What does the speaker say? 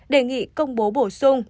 đề nghị công bố bổ sung